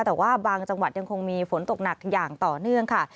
แต่ว่าบางจังหวัดยังคงมีฝนตกหนักอย่างต่อเนื่องค่ะ